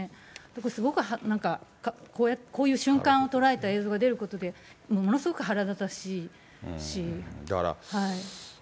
すごくなんか、こういう瞬間を捉えた映像が出ることで、ものすごく腹立たしいし。